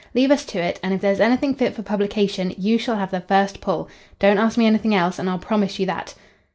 Leave us to it, and if there's anything fit for publication you shall have first pull. Don't ask me anything else and I'll promise you that."